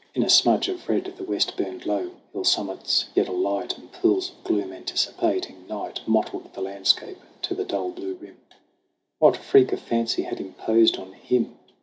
In a smudge of red The West burned low. Hill summits, yet alight, And pools of gloom anticipating night Mottled the landscape to the dull blue rim. What freak of fancy had imposed on him